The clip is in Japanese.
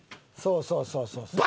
そうそうそうそう。